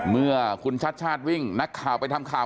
เมื่อคุณชัดชาติวิ่งนักข่าวไปทำข่าว